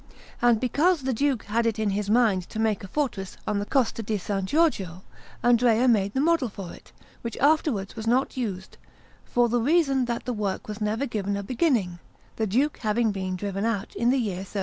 And because the Duke had it in his mind to make a fortress on the Costa di S. Giorgio, Andrea made the model for it, which afterwards was not used, for the reason that the work was never given a beginning, the Duke having been driven out in the year 1343.